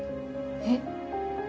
えっ？